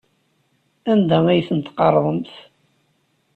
Anda ay tent-tqerḍemt?